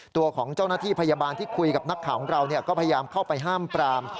ตัวของเจ้าหน้าที่พยาบาลที่คุยกับนักข่าวของเราก็พยายามเข้าไปห้ามปราม